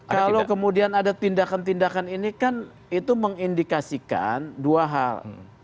kalau kemudian ada tindakan tindakan ini kan itu mengindikasikan dua hal